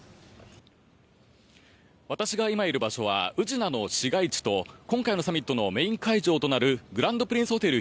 私が今いる場所は宇品の市街地と今回のサミットのメイン会場となるグランドプリンスホテル